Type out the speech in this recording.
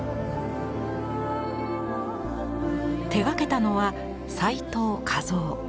手がけたのは斎藤佳三。